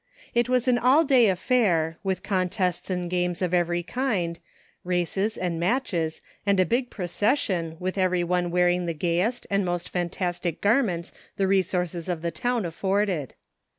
It wasi an all day affair, with contests and games of every kind, races and matches and a big procession with everyone wearing the gayest and most fantastic garments the resources of the town afforded.